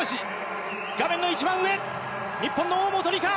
画面の一番上日本の大本里佳！